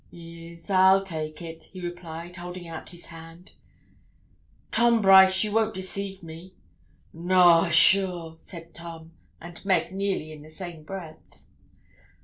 'E'es, I'll take it,' he replied, holding out his hand. 'Tom Brice, you won't deceive me?' 'Noa, sure,' said Tom and Meg nearly in the same breath.